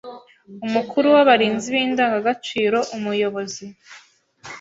Umukuru w’abarinzi b’indangagaciro: Umuyobozi